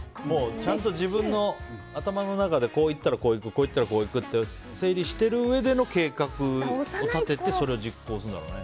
ちゃんと自分の頭の中でこう言ったらこう行くって整理してるうえでの計画を立ててそれを実行するんだろうね。